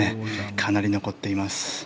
かなり残っています。